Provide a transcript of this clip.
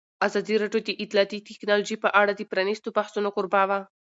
ازادي راډیو د اطلاعاتی تکنالوژي په اړه د پرانیستو بحثونو کوربه وه.